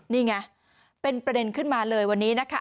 นี่ไงเป็นประเด็นขึ้นมาเลยวันนี้นะคะ